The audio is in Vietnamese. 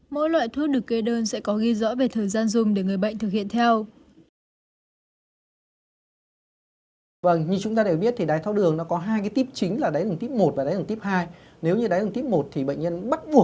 mỗi loại thuốc được kê đơn sẽ có ghi rõ về thời gian dùng để người bệnh thực hiện theo